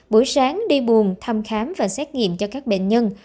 buổi sáng đi buồn thăm khám và xét nghiệm cho các bệnh nhân